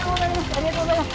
ありがとうございます。